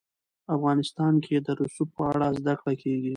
افغانستان کې د رسوب په اړه زده کړه کېږي.